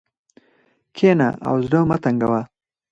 کښېنه او زړه مه تنګوه.